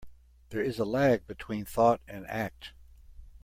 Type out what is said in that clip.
There is a lag between thought and act.